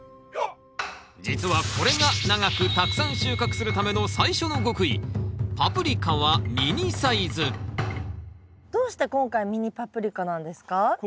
実はこれが長くたくさん収穫するための最初の極意どうして今回ミニパプリカなんですか？